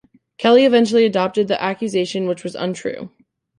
Kelly eventually adopted the accusation, which was untrue.